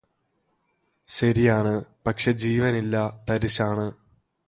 ശരിയാണ് പക്ഷേ ജീവനില്ല തരിശാണ്